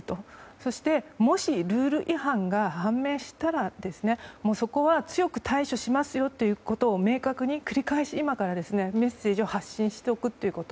そして、もしルール違反が判明したらそこは強く対処しますよということを明確に繰り返し、今からメッセージを発信しておくということ。